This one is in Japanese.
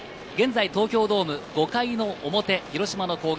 現在、東京ドーム５回表、広島の攻撃。